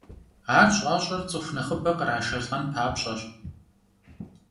Ар щӀащӀэр цӀыху нэхъыбэ кърашалӀэн папщӏэщ.